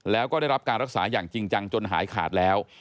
แล้วก็ได้รับการรักษาอย่างจริงจังจนหายขาดแล้ว